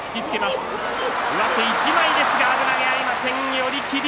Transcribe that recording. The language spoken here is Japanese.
寄り切り。